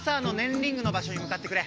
リングの場所にむかってくれ！